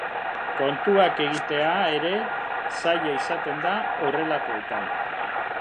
Kontuak egitea ere zaila izaten da horrelakoetan.